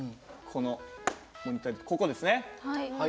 このここですね。